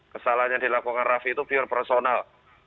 kesalahan yang dilakukan raffi itu pure personal